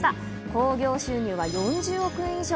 興行収入は４０億円以上。